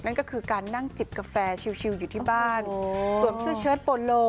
นั่นก็คือการนั่งจิบกาแฟชิวอยู่ที่บ้านสวมเสื้อเชิดโปโล